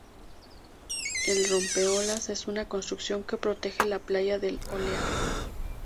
El rompeolas es una construcción que protege la playa del oleaje.